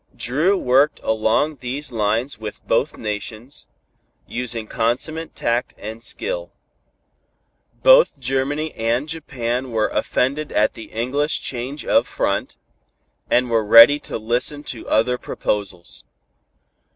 Dru worked along these lines with both nations, using consummate tact and skill. Both Germany and Japan were offended at the English change of front, and were ready to listen to other proposals.